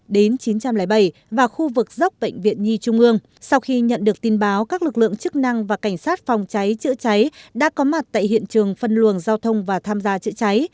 đến chín trăm linh bảy và khu vực dốc bệnh viện nhi trung ương sau khi nhận được tin báo các lực lượng chức năng và cảnh sát phòng cháy chữa cháy đã có mặt tại hiện trường phân luồng giao thông và tham gia chữa cháy